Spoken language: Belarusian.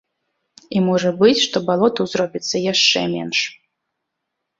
І можа быць, што балотаў зробіцца яшчэ менш.